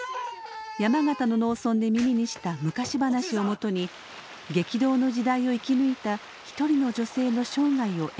山形の農村で耳にした昔話をもとに激動の時代を生き抜いた一人の女性の生涯を描きます。